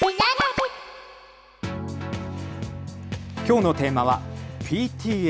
きょうのテーマはＰＴＡ。